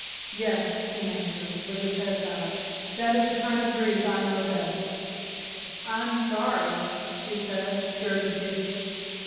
"Yes," he answered, with his head bowed; "that is the kind of grief I know the best." "I I'm sorry," she said, stirred to pity.